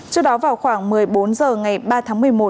trước đó vào khoảng một mươi bốn h ngày ba tháng một mươi một